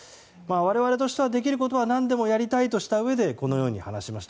我々としては、できることは何でもやりたいといううえでこのように話しました。